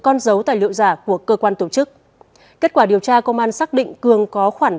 con dấu tài liệu giả của cơ quan tổ chức kết quả điều tra công an xác định cường có khoản